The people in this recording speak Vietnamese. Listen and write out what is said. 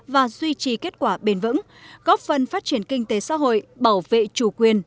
và duy trì kết quả bền vững góp phần phát triển kinh tế xã hội bảo vệ chủ quyền